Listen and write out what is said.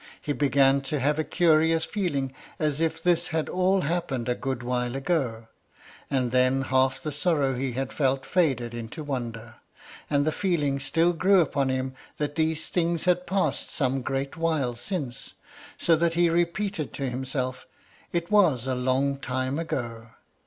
He began to have a curious feeling, as if this had all happened a good while ago, and then half the sorrow he had felt faded into wonder, and the feeling still grew upon him that these things had passed some great while since, so that he repeated to himself, "It was a long time ago."